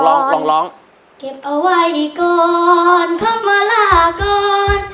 เก็บเอาไว้ก่อนข้องมาลาก่อน